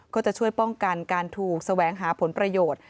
ก็จะช่วยป้องกันการถูกแสวงหาผลประโยชน์